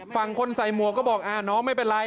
ฝั่งคนใส่หมวกก็บอกน้องไม่เป็นไร